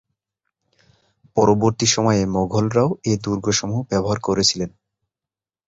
পরবর্তী সময়ে মোগলরাও এ দুর্গসমূহ ব্যবহার করেছিল।